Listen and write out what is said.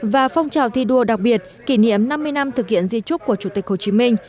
và phong trào thi đua đặc biệt kỷ niệm năm mươi năm thực hiện di trúc của chủ tịch hồ chí minh